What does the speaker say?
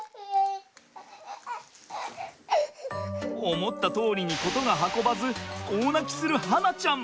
思ったとおりに事が運ばず大泣きする巴梛ちゃん。